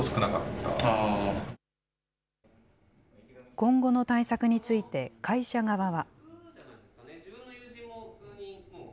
今後の対策について、会社側は。